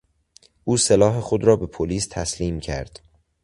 او سلاح خود را به پلیس تسلیم کرد.